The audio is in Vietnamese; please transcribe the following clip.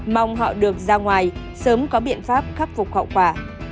mong họ được ra ngoài sớm có biện pháp khắc phục hậu quả